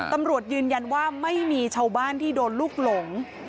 ตำรวจยืนยันว่าไม่มีชาวบ้านที่โดนลูกหลง